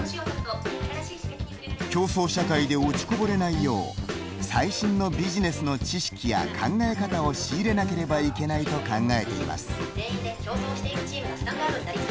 競争社会で落ちこぼれないよう最新のビジネスの知識や考え方を仕入れなければいけないと考えています。